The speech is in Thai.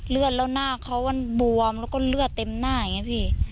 เลือดแล้วหน้าเขามันบวมแล้วก็เลือดเต็มหน้าอย่างนี้พี่